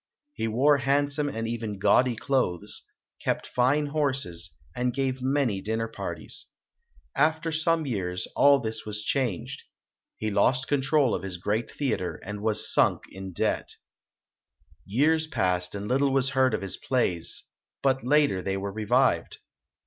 He wore handsome and even gaudy clothes, kept fine horses, and gave many dinner parties. After some years all this was changed. He lost control of his great theatre and was sunk in debt. ALEXANDRE DUMAS [245 Years passed and little was heard of his plays ; but later they were revived.